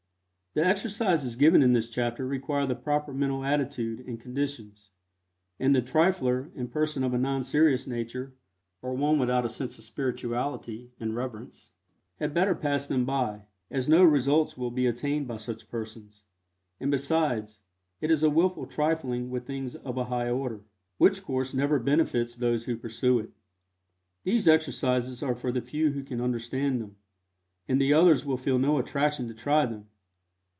The exercises given in this chapter require the proper mental attitude and conditions, and the trifler and person of a non serious nature, or one without a sense of spirituality and reverence, had better pass them by, as no results will be obtained by such persons, and besides it is a wilful trifling with things of a high order, which course never benefits those who pursue it. These exercises are for the few who can understand them, and the others will feel no attraction to try them.